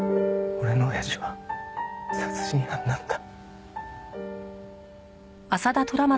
俺の親父は殺人犯なんだ。